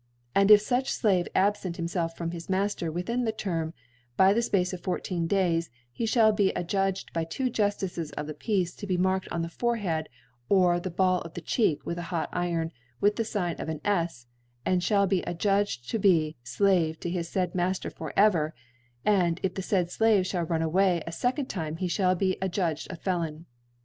And if fuch Slave abfent himfelf from his Mafter within the Term, by the Space of fourteen Days, he fliall be adjudged by two Juftices of the Peace to be marked on the Forehead or the Ball of the Cheek^ with a hot Iron, with the Sign of an S, and Ihall be adjudged to be Slave to his faid Mafter for ever 5 and if the faid Slave fhall run away a fecond Tinie he * fhall be adjudged a Felon.